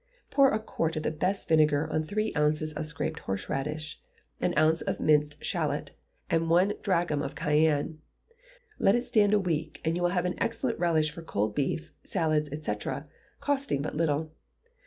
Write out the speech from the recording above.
Pour a quart of best vinegar on three ounces of scraped horseradish, an ounce of minced shalot, and one drachm of cayenne; let it stand a week, and you will have an excellent relish for cold beef, salads, &c., costing but little.